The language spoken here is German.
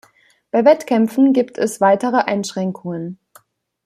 Bei Wettkämpfen gibt es weitere Einschränkungen.